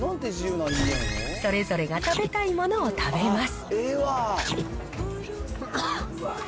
それぞれが食べたいものを食べます。